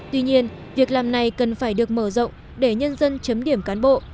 tuy nhiên việc làm này cần phải được mở rộng để nhân dân chấm điểm cán bộ